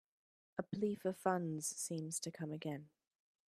A plea for funds seems to come again.